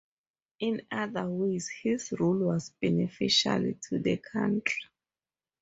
In other ways his rule was beneficial to the country.